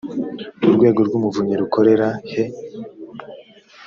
urwego rw umuvunyi rukorera he